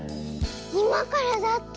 いまからだって！